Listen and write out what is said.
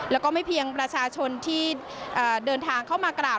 แล้วก็ไม่เพียงประชาชนที่เดินทางเข้ามากราบ